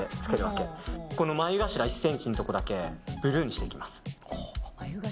この眉頭１ｃｍのところだけブルーにしていきます。